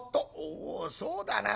「おそうだな。